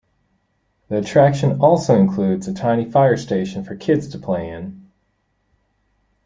The attraction also includes a tiny fire station for kids to play in.